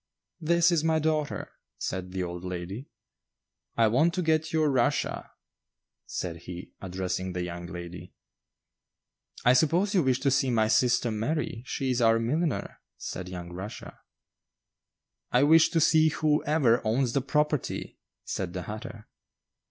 "This is my daughter," said the old lady. "I want to get your Russia," said he, addressing the young lady. "I suppose you wish to see my sister Mary; she is our milliner," said young Rushia. "I wish to see whoever owns the property," said the hatter.